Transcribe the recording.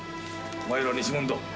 お前ら西門だ。